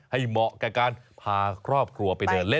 เหมาะกับการพาครอบครัวไปเดินเล่น